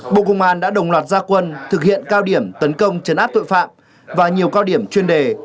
bộ công an đã đồng loạt gia quân thực hiện cao điểm tấn công chấn áp tội phạm và nhiều cao điểm chuyên đề